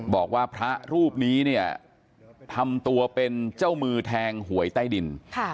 บอกว่าพระรูปนี้เนี่ยทำตัวเป็นเจ้ามือแทงหวยใต้ดิน